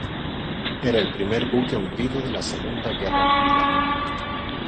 Era el primer buque hundido en la Segunda Guerra Mundial.